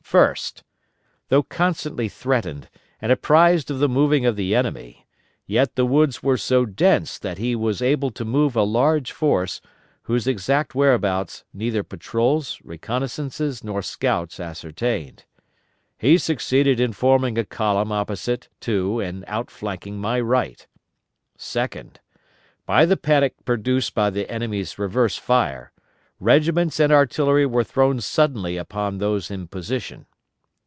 "First. Though constantly threatened, and apprised of the moving of the enemy, yet the woods were so dense that he was able to move a large force, whose exact whereabouts neither patrols, reconnoissances, nor scouts ascertained. "He succeeded in forming a column opposite to and outflanking my right. "Second. By the panic produced by the enemy's reverse fire, regiments and artillery were thrown suddenly upon those in position.